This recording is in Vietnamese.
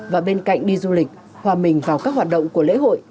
và bên cạnh đi du lịch hòa mình vào các hoạt động của lễ hội